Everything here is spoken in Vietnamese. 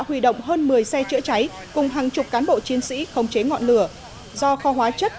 huy động hơn một mươi xe chữa cháy cùng hàng chục cán bộ chiến sĩ khống chế ngọn lửa do kho hóa chất